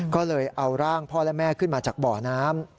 ก็เลยเอาร่างพ่อและแม่ขึ้นมาจากบ่อน้ำ